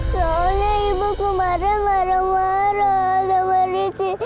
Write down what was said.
soalnya ibu kemarin marah marah